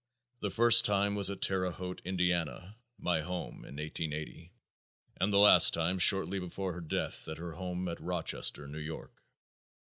The first time was at Terre Haute, Indiana, my home, in 1880, and the last time shortly before her death at her home at Rochester, New York.